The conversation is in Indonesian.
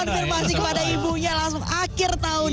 konfirmasi kepada ibunya langsung akhir tahun